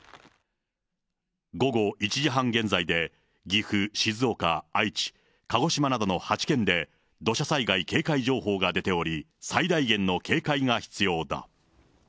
午後１時半現在で、岐阜、静岡、愛知、鹿児島などの８県で、土砂災害警戒情報が出ており、最大限の警戒が必要だ。